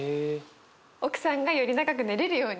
奥さんがより長く寝れるように。